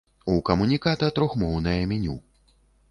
У камуніката трохмоўнае меню.